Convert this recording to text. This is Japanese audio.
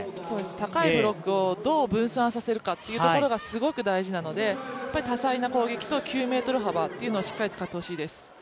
高いブロックをどう分散させるかっていうのがすごく大事なので多彩な攻撃と９ｍ幅をしっかり使ってほしいです。